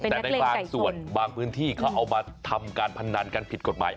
แต่ในบางส่วนบางพื้นที่เขาเอามาทำการพนันกันผิดกฎหมาย